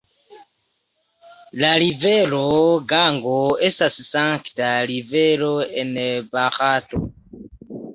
La rivero Gango estas sankta rivero en Barato.